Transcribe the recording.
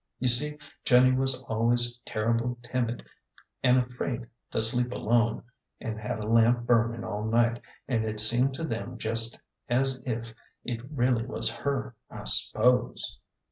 You see Jenny was always terrible timid an 5 afraid to sleep alone, an' had a lamp burnin' all night, an' it seemed to them jest as if it really was her, I s'pose."